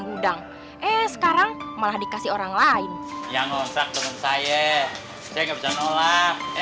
gudang eh sekarang malah dikasih orang lain yang ngontrak temen saya saya nggak bisa nolak